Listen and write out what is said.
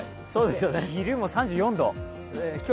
昼も３４度。